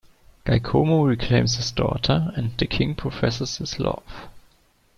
Giacomo reclaims his daughter, and the King professes his love.